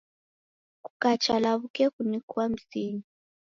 Kukacha law'uke kunikua mzinyi